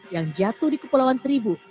yang jatuh di kepulauan seribu